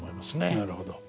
なるほど。